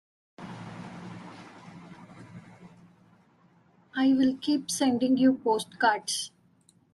Ill keep sending you postcards.